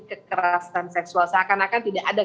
kekerasan seksual seakan akan tidak ada